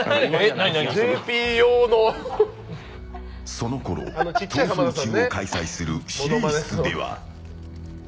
そのころ「逃走中」を開催する司令室では。